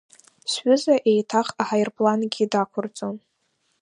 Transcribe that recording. Сҩыза еиҭах аҳаирплангьы дақәырҵон.